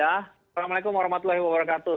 assalamualaikum warahmatullahi wabarakatuh